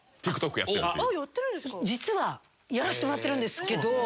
実はやらせてもらってるんですけど。